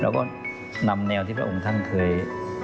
แล้วก็นำแนวที่พระองค์ท่านเคย